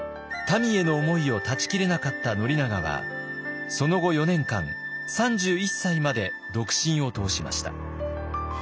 たみへの思いを断ち切れなかった宣長はその後４年間３１歳まで独身を通しました。